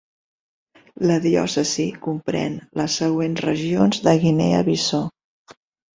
La diòcesi comprèn les següents regions de Guinea Bissau: